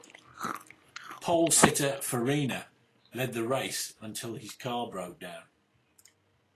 Polesitter Farina led the race until his car broke down.